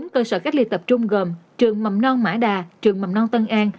bốn cơ sở cách ly tập trung gồm trường mầm non mã đà trường mầm non tân an